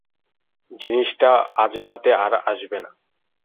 জিনিসটা আজরাতে আর আসবে না।